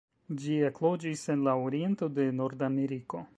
Ĝi ekloĝis en la oriento de Nordameriko.